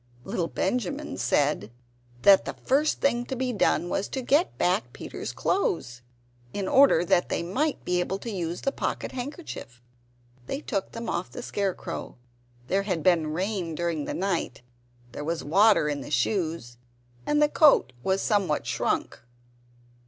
Little Benjamin said that the first thing to be done was to get back Peter's clothes, in order that they might be able to use the pocket handkerchief. They took them off the scarecrow. There had been rain during the night; there was water in the shoes, and the coat was somewhat shrunk.